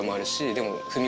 でも。